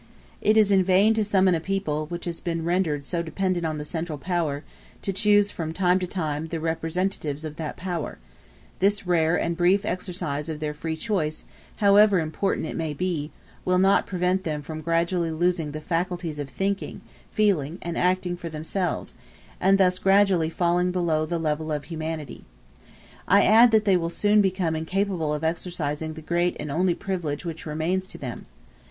It is in vain to summon a people, which has been rendered so dependent on the central power, to choose from time to time the representatives of that power; this rare and brief exercise of their free choice, however important it may be, will not prevent them from gradually losing the faculties of thinking, feeling, and acting for themselves, and thus gradually falling below the level of humanity. *b I add that they will soon become incapable of exercising the great and only privilege which remains to them.